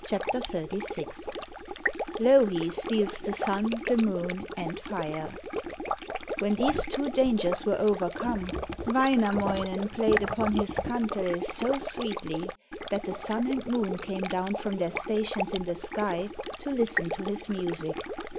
LOUHI STEALS THE SUN, THE MOON, AND FIRE When these two dangers were overcome, Wainamoinen played upon his kantele so sweetly that the Sun and Moon came down from their stations in the sky to listen to his music.